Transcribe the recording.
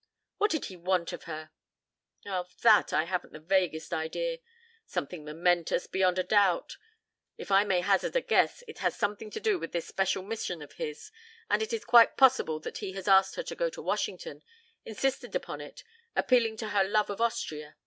"What did he want of her?" "Of that I haven't the vaguest idea. Something momentous, beyond a doubt. If I may hazard a guess, it has something to do with this special mission of his, and it is quite possible that he has asked her to go to Washington insisted upon it appealing to her love of Austria.